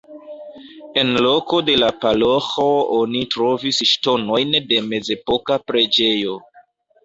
En loko de la paroĥo oni trovis ŝtonojn de mezepoka preĝejo.